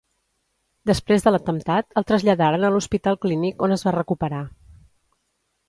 Després de l'atemptat el traslladaren a l'Hospital Clínic on es va recuperar.